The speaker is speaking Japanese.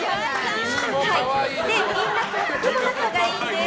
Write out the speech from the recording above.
みんな、とっても仲がいいんです。